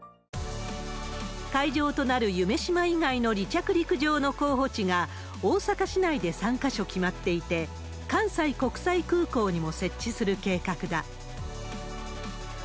会場となる夢洲以外の離着陸場の候補地が大阪市内で３か所決まっていて、関西国際空港にも設置する計画だ。